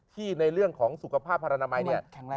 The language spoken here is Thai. ในเรื่องของสุขภาพพระนามัยเนี่ย